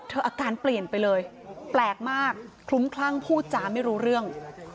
อาการเปลี่ยนไปเลยแปลกมากคลุ้มคลั่งพูดจาไม่รู้เรื่อง